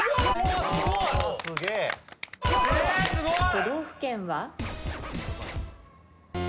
都道府県は？